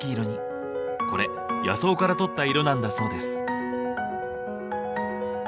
これ野草からとった色なんだそうです。